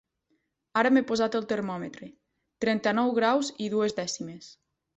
Ara m'he posat el termòmetre: trenta-nou graus i dues dècimes.